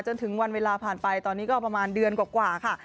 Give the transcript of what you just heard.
จนถึงวันเวลาผ่านไปตอนนี้ก็ประมาณเดือนกว่าค่ะ